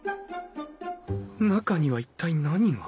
中には一体何が？